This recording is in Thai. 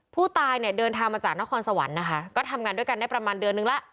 ผู้ตายเนี่ยเดินทางมาจากนครสวรรค์นะคะก็ทำงานด้วยกันได้ประมาณเดือนนึงแล้ว